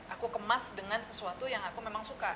aku kemas dengan sesuatu yang aku memang suka